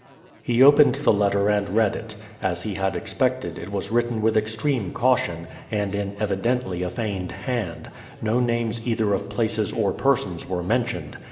He opened the letter and read it. As he had expected, it was written with extreme caution, and in evidently a feigned hand; no names either of places or persons were mentioned.